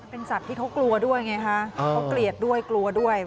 เป็นสัตว์ที่เขากลัวด้วยไงฮะเขาเกลียดด้วยกลัวด้วย